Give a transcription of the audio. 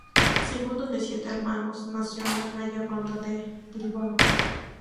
Segundo de siete hermanos, nació en la calle Ronda de Bilbao.